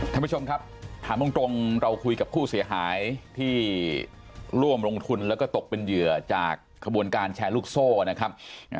ท่านผู้ชมครับถามตรงเราคุยกับผู้เสียหายที่ร่วมลงทุนแล้วก็ตกเป็นเหยื่อจากขบวนการแชร์ลูกโซ่นะครับ